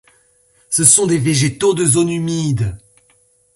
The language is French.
Ce sont des végétaux de zones humides.